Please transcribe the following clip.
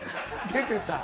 出てた。